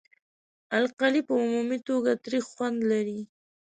القلي په عمومي توګه تریخ خوند لري.